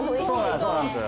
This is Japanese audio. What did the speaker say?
そうなんです